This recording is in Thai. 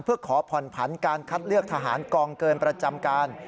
เพื่อขอผ่อนผันการคัดเลือกทหารกองเกินประจำการ